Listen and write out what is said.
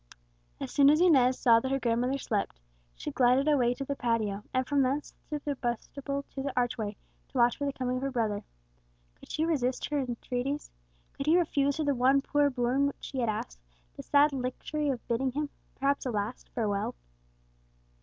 As soon as Inez saw that her grandmother slept, she glided away to the patio, and from thence through the vestibule to the archway, to watch for the coming of her brother. Could he resist her entreaties? could he refuse her the one poor boon which she had asked, the sad luxury of bidding him perhaps a last farewell?